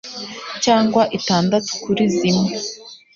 cyangwa itandatu kuri zimwe,